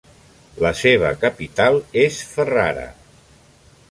La seva capital és Ferrara.